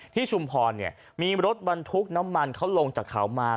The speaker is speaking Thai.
ชุมพรมีรถบรรทุกน้ำมันเขาลงจากเขามา